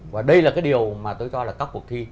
và đây là cái điều mà tôi cho là các cuộc thi